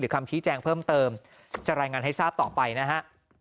คำชี้แจงเพิ่มเติมจะรายงานให้ทราบต่อไปนะฮะ